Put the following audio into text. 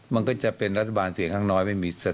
มันก็จะเป็นรัฐบาลเสียข้างน้อยไม่มีสถิษฐภาพ